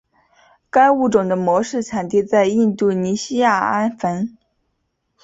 该物种的模式产地在印度尼西亚安汶。